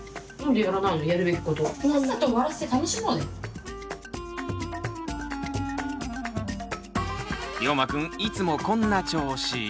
りょうまくんいつもこんな調子。